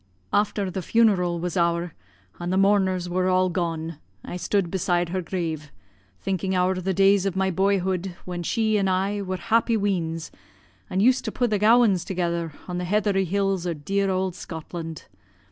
"After the funeral was ower, and the mourners were all gone, I stood beside her grave, thinking ower the days of my boyhood, when she and I were happy weans, an' used to pu' the gowans together on the heathery hills o' dear auld Scotland.